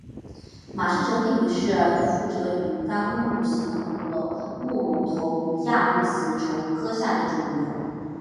马氏蛰丽鱼是辐鳍鱼纲鲈形目隆头鱼亚目慈鲷科下的一种鱼。